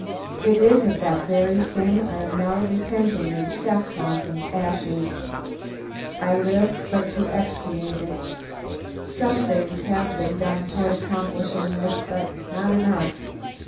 It is of that very sin I am now repenting in sackcloth and ashes. I live but to expiate it. Something has been done toward accomplishing this, but not enough.